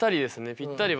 ぴったり。